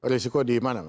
resiko di mana